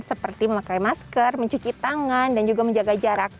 seperti memakai masker mencuci tangan dan juga menjaga jarak